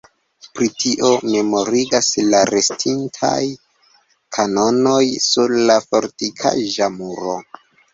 Pri tio memorigas la restintaj kanonoj sur la fortikaĵa muro.